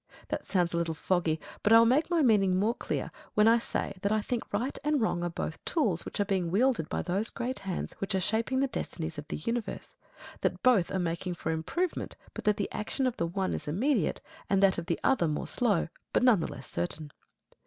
That sounds a little foggy; but I will make my meaning more clear when I say that I think right and wrong are both tools which are being wielded by those great hands which are shaping the destinies of the universe, that both are making for improvement; but that the action of the one is immediate, and that of the other more slow, but none the less certain.